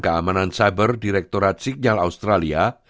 keamanan cyber direktorat signal australia